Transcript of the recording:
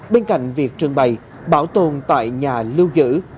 bên cạnh việc trưng bày bảo tồn tại nhà lưu giữ